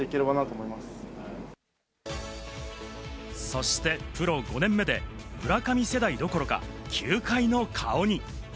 そして、プロ５年目で村上世代どころか、球界の顔に。